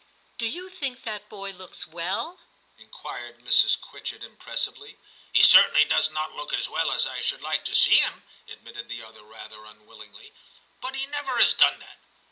* Do you think that boy looks well ?' inquired Mrs. Quitchett impressively. * He certainly does not look as well as I should like to see him,' admitted the other rather unwillingly, *but he never has done that.